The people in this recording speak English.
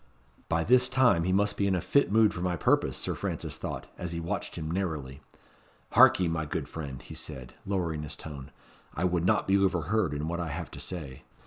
"By this time he must be in a fit mood for my purpose," Sir Francis thought, as he watched him narrowly. "Harkye, my good young friend," he said, lowering his tone, "I would not be overheard in what I have to say.